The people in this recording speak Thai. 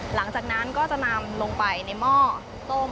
หลังจากนั้นก็จะนำลงไปในหม้อต้ม